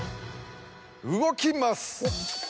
動きます！